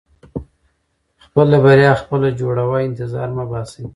• خپله بریا خپله جوړوه، انتظار مه باسې.